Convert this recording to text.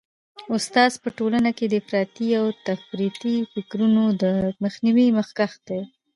استاد په ټولنه کي د افراطي او تفریطي فکرونو د مخنیوي مخکښ دی.